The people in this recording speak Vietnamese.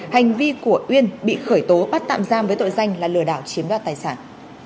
hành vi của uyên bị khởi tố bắt tạm giam với tội danh là lừa đảo chiếm đoạt tài sản